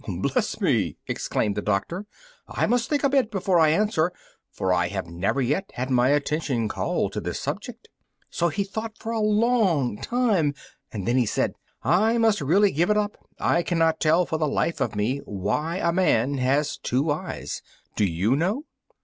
"Bless me!" exclaimed the doctor, "I must think a bit before I answer, for I have never yet had my attention called to this subject." So he thought for a long time, and then he said, "I must really give it up. I cannot tell, for the life of me, why a man has two eyes. Do you know?"